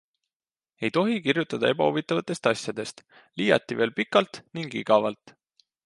Ei tohi kirjutada ebahuvitavatest asjadest, liiati veel pikalt ning igavalt.